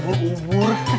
berarti ursanya autres